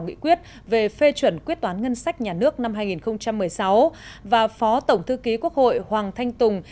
nghị quyết về phê chuẩn quyết toán ngân sách nhà nước năm hai nghìn một mươi sáu và phó tổng thư ký quốc hội hoàng thanh tùng